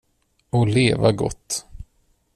Och leva gott.